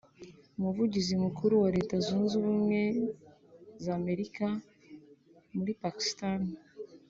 Umuvugizi Mukuru wa Leta Zunze Ubumwe z’Amerika muri Pakistan